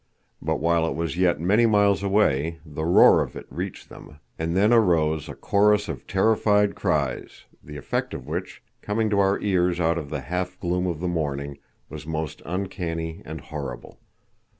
But while it was yet many miles away, the roar of it reached them, and then arose a chorus of terrified cries, the effect of which, coming to our ears out of the half gloom of the morning, was most uncanny and horrible.